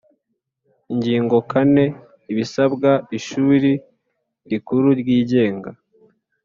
Ingingo kane Ibisabwa ishuri rikuru ryigenga